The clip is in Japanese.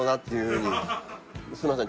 すいません